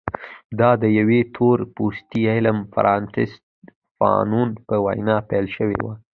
دا د یوه تور پوستي عالم فرانټس فانون په وینا پیل شوې وه.